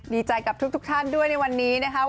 ดีใจกับทุกท่านด้วยในวันนี้นะครับ